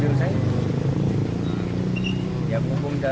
ternyata di sebelah kiri ada yang menendang mobil saya